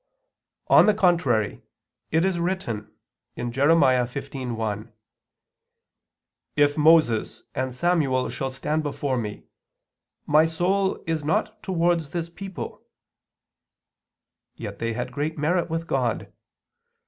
On the contrary, It is written (Jer. 15:1): "If Moses and Samuel shall stand before Me, My soul is not towards this people" yet they had great merit with God.